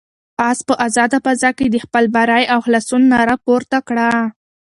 آس په آزاده فضا کې د خپل بري او خلاصون ناره پورته کړه.